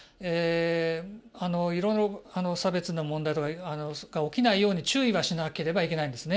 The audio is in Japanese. いろいろ差別の問題とか起きないように注意はしなければいけないんですね。